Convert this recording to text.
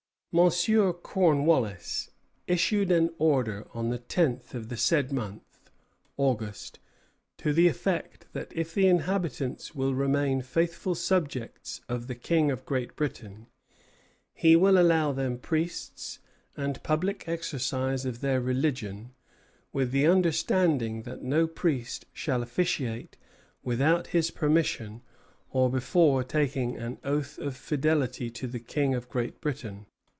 "Monsieur Cornwallis issued an order on the tenth of the said month [August], to the effect that if the inhabitants will remain faithful subjects of the King of Great Britain, he will allow them priests and public exercise of their religion, with the understanding that no priest shall officiate without his permission or before taking an oath of fidelity to the King of Great Britain.